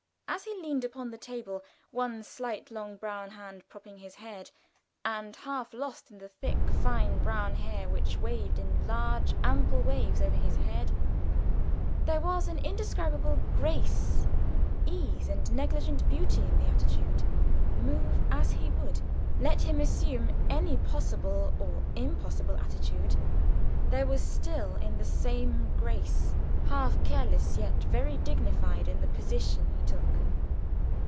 As he leaned upon the table, one slight, long, brown hand propping his head, and half lost in the thick, fine brown hair which waved in large, ample waves over his head, there was an indescribable grace, ease, and negligent beauty in the attitude. Move as he would, let him assume any possible or impossible attitude, there was still in the same grace, half careless, yet very dignified in the position he took.